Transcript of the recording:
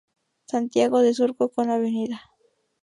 Santiago de Surco con Av.